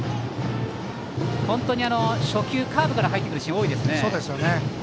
本当に初球、カーブから入ってくるシーンが多いですね。